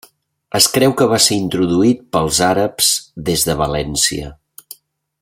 Es creu que va ser introduït pels àrabs des de València.